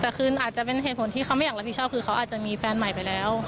แต่คืออาจจะเป็นเหตุผลที่เขาไม่อยากรับผิดชอบคือเขาอาจจะมีแฟนใหม่ไปแล้ว